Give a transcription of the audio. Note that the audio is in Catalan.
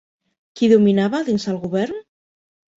Qui dominava dins el govern?